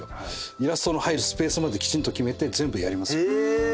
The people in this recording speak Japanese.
イラストの入るスペースまできちんと決めて全部やりますよ。